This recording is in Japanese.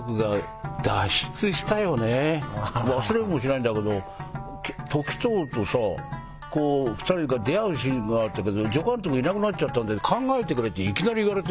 忘れもしないんだけど時任とさ２人が出会うシーンがあったけど助監督いなくなっちゃったんで考えてくれっていきなり言われて。